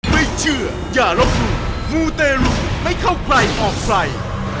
ไม่เชื่ออย่าลบหลู่มูเตรุไม่เข้าใครออกใคร